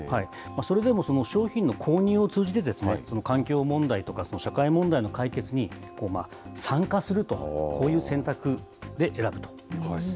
それでも商品の購入を通じて、環境問題とか、社会問題の解決に参加すると、こういう選択で選ぶということです。